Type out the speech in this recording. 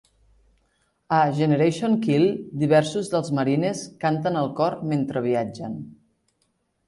A "Generation Kill" diversos dels marines canten el cor mentre viatgen.